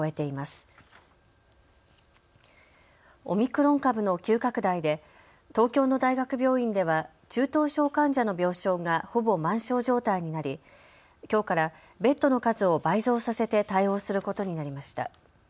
オミクロン株の急拡大で東京の大学病院では中等症患者の病床がほぼ満床状態になりきょうからベッドの数を倍増させて対応することになりました。